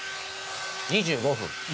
２５分。